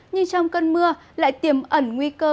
nhưng trong cơn mưa lại tiềm ẩn nguy cơ